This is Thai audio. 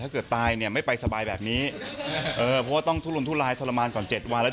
กลับไปเจอเขาก็บอกว่า